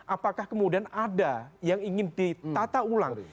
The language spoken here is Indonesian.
apakah kemudian ada yang ingin ditata ulang